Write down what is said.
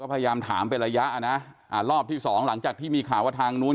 ก็พยายามถามเป็นระยะอ่ะนะรอบที่๒หลังจากที่มีข่าวทางนู้น